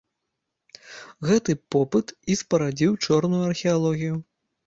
Гэты попыт і спарадзіў чорную археалогію.